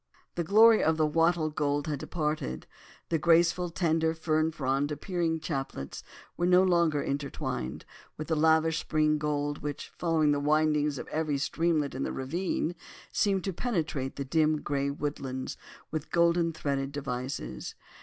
The glory of the wattle gold had departed; the graceful tender fern frond appearing chaplets were no longer intertwined with the lavish spring gold which, following the windings of every streamlet and ravine, seems to penetrate the dim grey woodlands with golden threaded devices.